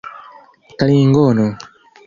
klingono